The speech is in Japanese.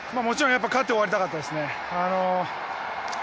もちろん勝って終わりたかったですね。